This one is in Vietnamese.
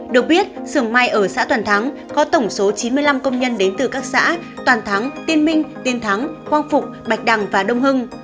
được biết sưởng mai ở xã toàn thắng có tổng số chín mươi năm công nhân đến từ các xã toàn thắng tiên minh tiên thắng quang phục bạch đằng và đông hưng